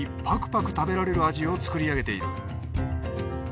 パクパク食べられる味を作り上げている。